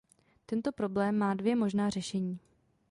Tento problém má dvě možná řešení.